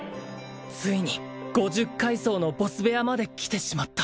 ついに五十階層のボス部屋まで来てしまった